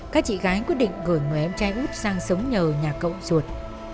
các chị gái quyết định gửi một mươi em trai út sang sống nhờ nhà cậu ruột